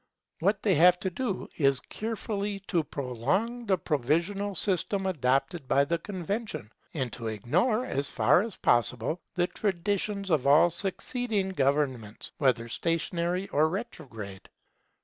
What they have to do is carefully to prolong the provisional system adopted by the Convention, and to ignore, as far as possible, the traditions of all succeeding governments, whether stationary or retrograde.